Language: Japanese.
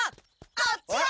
あっちだ！